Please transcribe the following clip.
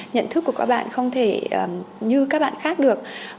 nhận thức của các bạn không thể như các bạn khác được